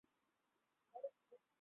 এমন উঠবে যে, জগৎ দেখে অবাক হয়ে যাবে।